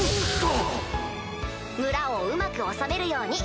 村をうまく治めるように。